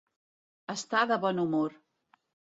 Estar de bon humor.